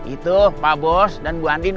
itu pak bos dan bu andin